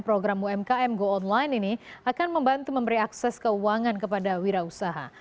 program umkm go online ini akan membantu memberi akses keuangan kepada wira usaha